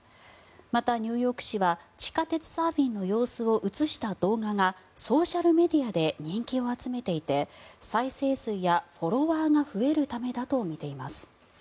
また、ニューヨーク市は地下鉄サーフィンの様子を映した動画がソーシャルメディアで人気を集めていて再生数やフォロワーが増えるためだとみています。